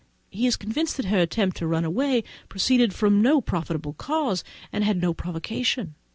He is convinced that her attempt to run away proceeded from no justifiable cause, and had no provocation.